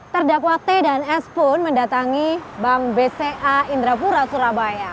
terdakwate dan s pun mendatangi bank bca indrapura surabaya